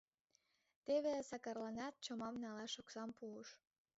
Теве Сакарланат чомам налаш оксам пуыш.